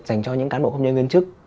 dành cho những cán bộ công nhân viên chức